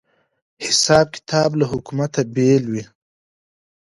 حساب کتاب له حکومته بېل وي